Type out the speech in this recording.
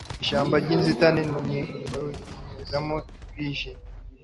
Ishyamba ry'inzitane ntiwarinyuramo bwije